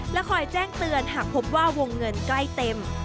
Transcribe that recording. และคอยแจ้งเตือนหากพบว่าวงเงินใกล้เต็ม